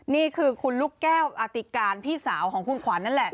นี่คือคุณลูกแก้วอติการพี่สาวของคุณขวัญนั่นแหละ